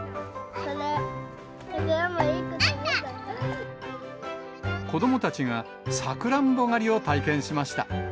これ、子どもたちがサクランボ狩りを体験しました。